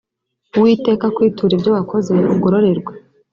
uwiteka akwiture ibyo wakoze ugororerwe